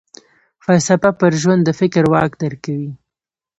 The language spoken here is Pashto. فلسفه پر ژوند د فکر واک درکوي.